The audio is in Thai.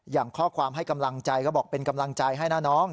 อย่างข้อความให้กำลังใจก็บอกเป็นกำลังใจให้นะน้อง